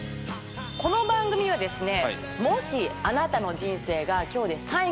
この番組はですね